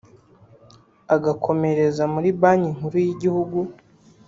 agakomereza muri Banki Nkuru y’Igihugu